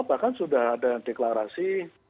bahkan sudah ada deklarasi